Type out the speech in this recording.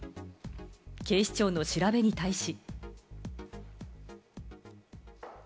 警視庁の調べに対し。